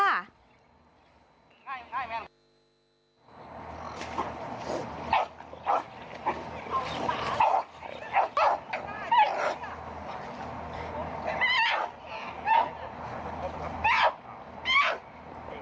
อ้าว